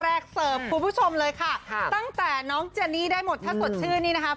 แปลกเซิร์ฟคุณผู้ชมกลับมารายข่าวตั้งแต่น้องจานี่ได้หมดถ้าสดชื่นนี่นะคะ